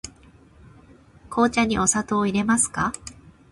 紅茶にお砂糖をいれますか。